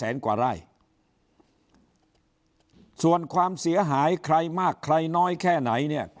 กว่าไร่ส่วนความเสียหายใครมากใครน้อยแค่ไหนเนี่ย